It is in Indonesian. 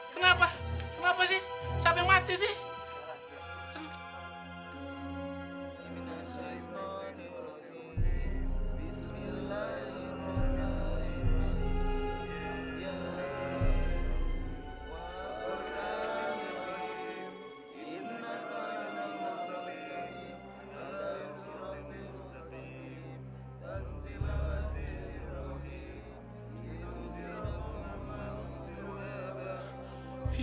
kenapa kenapa sih siapa yang mati sih